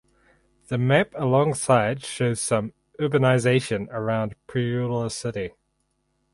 The map alongside shows some urbanization around Purulia city.